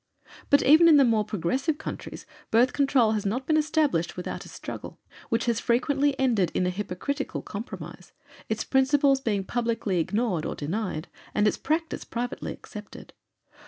But even in the more progressive countries Birth Control has not been established without a struggle, which has frequently ended in a hypocritical compromise, its principles being publicly ignored or denied and its practice privately accepted.